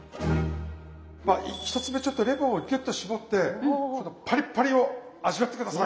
まあ１つ目ちょっとレモンをギュッと搾ってこのパリッパリを味わって下さい！